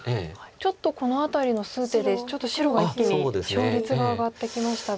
ちょっとこの辺りの数手で白が一気に勝率が上がってきましたが。